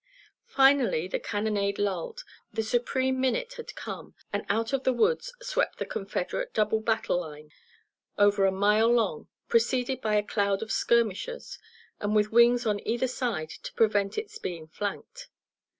Finally the cannonade lulled, the supreme minute had come, and out of the woods swept the Confederate double battle line, over a mile long, preceded by a cloud of skirmishers, and with wings on either side to prevent its being flanked.